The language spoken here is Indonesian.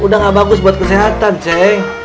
udah gak bagus buat kesehatan ceng